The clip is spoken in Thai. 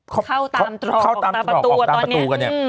เข้าตามตรอกออกตามประตูกันเนี่ย